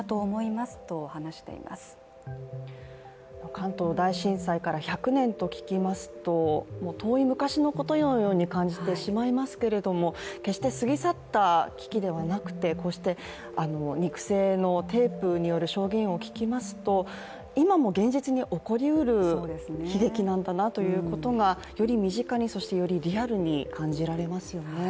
関東大震災から１００年と聞きますと、遠い昔のことのように感じてしまいますけれども、決して過ぎ去った危機ではなくてこうして、肉声のテープによる証言を聞きますと今も現実に起こりうる悲劇なんだなということがより身近に、そしてリアルに感じられますよね。